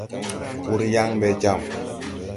Wùr yaŋ ɓɛ jam.